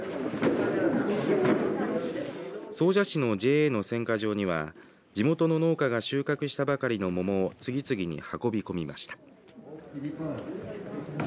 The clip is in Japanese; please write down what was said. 総社市のＪＡの選果場には地元の農家が収穫したばかりの桃を次々に運び込みました。